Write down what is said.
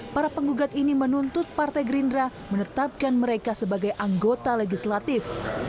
para penggugat ini menuntut partai gerindra menetapkan mereka sebagai anggota legislatif